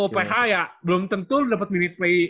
uph ya belum tentu lu dapet milih play